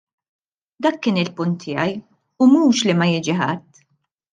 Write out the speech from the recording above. Dak kien il-punt tiegħi u mhux li ma jiġi ħadd.